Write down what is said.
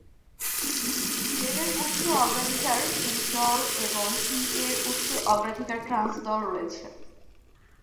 Z এর উচ্চ অগ্রাধিকার সিস দল এবং ই এর উচ্চ অগ্রাধিকার ট্রান্স দল রয়েছে।